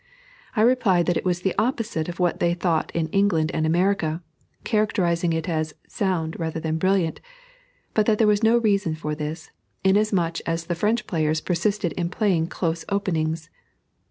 I replied that it was the opposite of what they thought in England and America, characterizing it as sound rather than brilliant; but that there was a reason for this, inasmuch as the French players persisted in playing close openings.